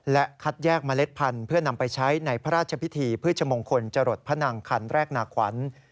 และคัดแยกเมล็ดพันธุ์เพื่อนำไปใช้ในพระราชพิธีพฤชมงคลจรดพนังคันแรกนาขวัญ